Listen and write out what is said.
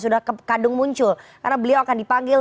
sudah kadung muncul karena beliau akan dipanggil